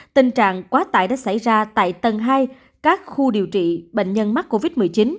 tình trạng quá tải đã xảy ra tại tầng hai các khu điều trị bệnh nhân mắc covid một mươi chín